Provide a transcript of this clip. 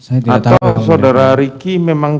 atau saudara riki memang